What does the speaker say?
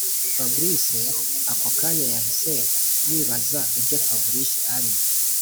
fabric ako kanya yahise yibaza ibyo fabric ari